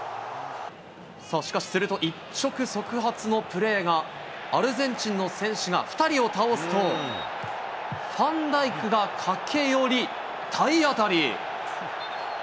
さあ、しかしすると、一触即発のプレーが、アルゼンチンの選手が２人を倒すと、ファンダイクが駆け寄り、体当たり。